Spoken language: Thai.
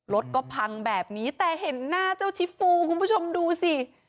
รถก็พังแบบนี้แต่เห็นหน้าเจ้าชิฟฟูคุณผู้ชมดูสิ